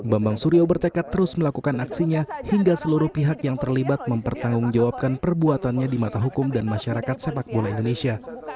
bambang suryo bertekad terus melakukan aksinya hingga seluruh pihak yang terlibat mempertanggungjawabkan perbuatannya di mata hukum dan masyarakat sepak bola indonesia